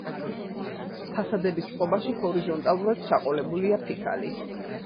ფასადების წყობაში ჰორიზონტალურად ჩაყოლებულია ფიქალი.